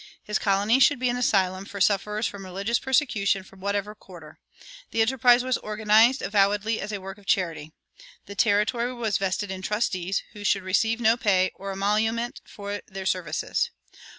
His colony should be an asylum for sufferers from religious persecution from whatever quarter. The enterprise was organized avowedly as a work of charity. The territory was vested in trustees, who should receive no pay or emolument for their services.